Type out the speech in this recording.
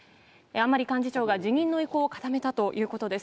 甘利幹事長が辞任の意向を固めたということです。